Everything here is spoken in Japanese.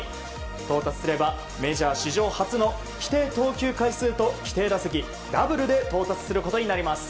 到達すればメジャー史上初の規定投球回数と規定打席、ダブル到達することになります。